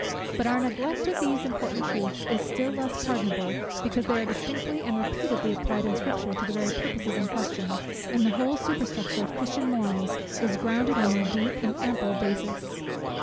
But our neglect of these important truths is still less pardonable, because they are distinctly and repeatedly applied in Scripture to the very purposes in question, and the whole superstructure of Christian morals is grounded on their deep and ample basis.